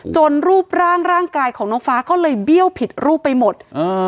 รูปร่างร่างกายของน้องฟ้าก็เลยเบี้ยวผิดรูปไปหมด